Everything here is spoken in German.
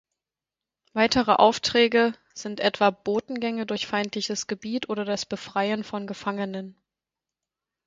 Weitere Aufträge sind etwa Botengänge durch feindliches Gebiet oder das Befreien von Gefangenen.